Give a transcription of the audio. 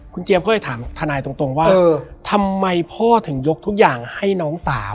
คุณเจี๊ยบก็เลยถามทนายตรงว่าทำไมพ่อถึงยกทุกอย่างให้น้องสาว